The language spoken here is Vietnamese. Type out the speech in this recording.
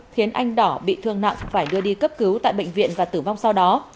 khiến anh đỏ bị thương nặng phải đưa đi cấp cứu tại bệnh viện và tử vong sau đó